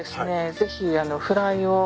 ぜひフライを。